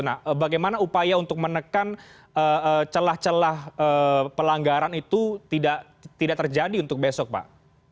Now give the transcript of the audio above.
nah bagaimana upaya untuk menekan celah celah pelanggaran itu tidak terjadi untuk besok pak